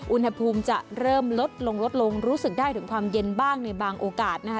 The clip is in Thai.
อุณหภูมิจะเริ่มลดลงลดลงรู้สึกได้ถึงความเย็นบ้างในบางโอกาสนะคะ